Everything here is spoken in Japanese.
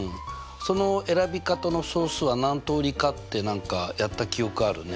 その選び方の総数は何通りかって何かやった記憶あるね。